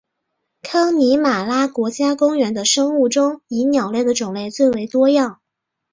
康尼玛拉国家公园的生物中以鸟类的种类最为多样。